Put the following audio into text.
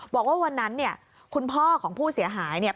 บอกว่าวันนั้นเนี่ยคุณพ่อของผู้เสียหายเนี่ย